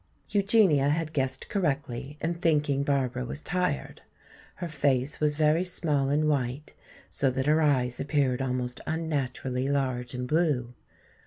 Eugenia had guessed correctly in thinking Barbara was tired. Her face was very small and white, so that her eyes appeared almost unnaturally large and blue.